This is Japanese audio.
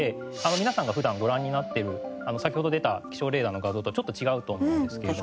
皆さんが普段ご覧になっている先ほど出た気象レーダーの画像とはちょっと違うと思うんですけども。